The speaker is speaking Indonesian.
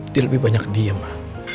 dia lebih banyak diam ma